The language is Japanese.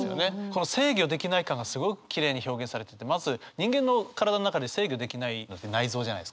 この制御できない感がすごくきれいに表現されててまず人間の体の中で制御できないのって内臓じゃないですか。